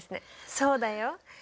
そうだよ。